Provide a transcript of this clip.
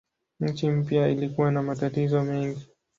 Nchi mpya ilikuwa na matatizo mengi.